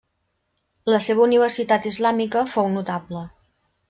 La seva universitat islàmica fou notable.